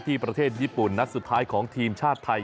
ประเทศญี่ปุ่นนัดสุดท้ายของทีมชาติไทย